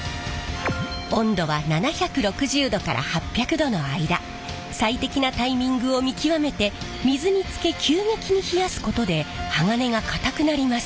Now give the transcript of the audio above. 温度は７６０℃から８００℃の間最適なタイミングを見極めて水につけ急激に冷やすことで鋼が硬くなります。